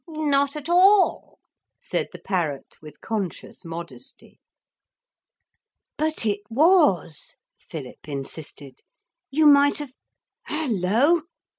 'Not at all,' said the parrot with conscious modesty. 'But it was,' Philip insisted. 'You might have hullo!'